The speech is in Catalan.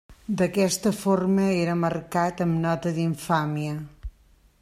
D'aquesta forma, era marcat amb nota d'Infàmia.